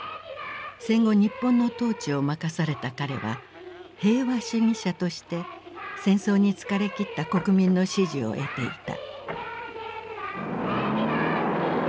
戦後日本の統治を任された彼は「平和主義者」として戦争に疲れ切った国民の支持を得ていた。